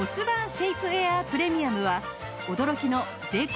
シェイプエアープレミアムは驚きの税込